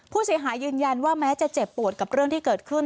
ผู้เสียหายยืนยันว่าแม้จะเจ็บปวดกับเรื่องที่เกิดขึ้น